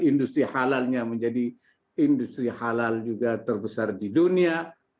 industri halalnya menjadi industri halal juga terbesar di dunia